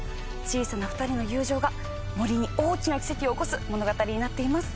小さな２人の友情が森に大きな奇跡を起こす物語になっています。